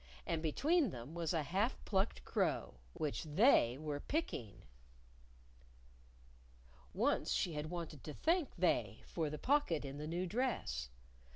And between them was a half plucked crow, which They were picking. Once she had wanted to thank They for the pocket in the new dress.